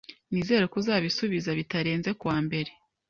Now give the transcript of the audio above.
Nizere ko uzabisubiza bitarenze kuwa mbere.